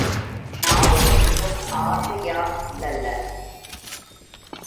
நாடு பிடிக்கும், ஆசையாலல்ல.